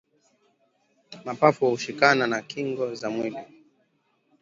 Mapafu hushikana na kingo za mwili